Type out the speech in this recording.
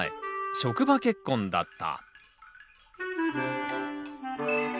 職場結婚だった。